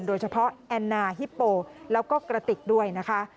โดยเฉพาะแอนนาฮิปโปร์แล้วก็กระติกด้วยนะคะ